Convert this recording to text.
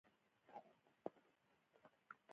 اصلي بنسټ یې ټولنیزه نه همکاري ده.